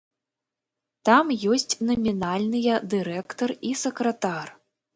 Там ёсць намінальныя дырэктар і сакратар.